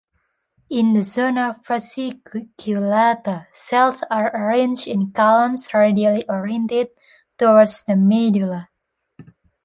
In the zona fasciculata, cells are arranged in columns radially oriented towards the medulla.